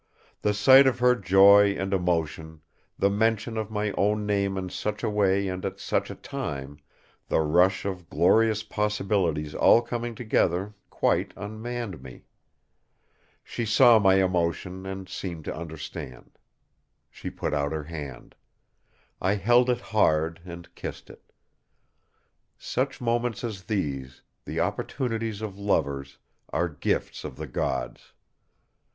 The sight of her joy and emotion, the mention of my own name in such a way and at such a time, the rush of glorious possibilities all coming together, quite unmanned me. She saw my emotion, and seemed to understand. She put out her hand. I held it hard, and kissed it. Such moments as these, the opportunities of lovers, are gifts of the gods!